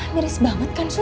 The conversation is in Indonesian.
miris banget kan sus